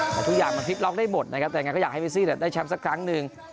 ก็คืออยากมันปิบล็อกได้หมดนะครับแต่ยังไงก็อยากให้เบซี่อ่านได้แชมป์สักครั้งหนึ่ง